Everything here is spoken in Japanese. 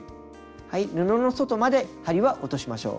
布の外まで針は落としましょう。